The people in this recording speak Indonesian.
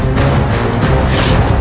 kau tak dengar aku bicara